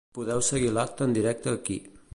Podeu seguir l’acte en directe aquí.